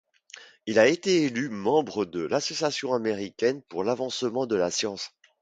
Il a été élu membre de l'Association américaine pour l'avancement de la science.